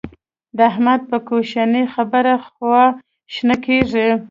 د احمد په کوشنۍ خبره خوا شنه کېږي.